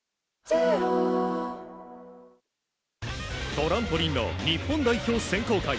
トランポリンの日本代表選考会。